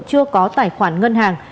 chưa có tài khoản ngân hàng